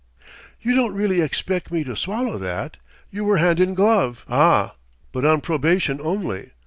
"You don't really expect me to swallow that? You were hand in glove " "Ah, but on probation only!